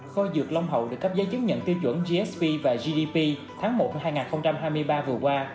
kho dược long hậu được cấp giấy chứng nhận tiêu chuẩn gsb và gdp tháng một hai nghìn hai mươi ba vừa qua